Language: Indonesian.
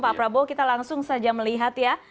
pak prabowo kita langsung saja melihat ya